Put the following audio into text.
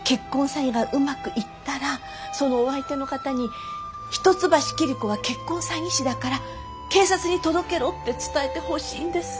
詐欺がうまくいったらそのお相手の方に一橋桐子は結婚詐欺師だから警察に届けろって伝えてほしいんです。